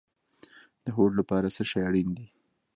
د هوډ لپاره څه شی اړین دی؟